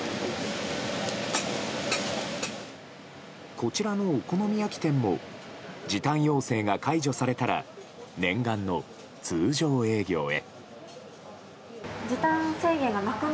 こちらのお好み焼き店も時短要請が解除されたら念願の通常営業へ。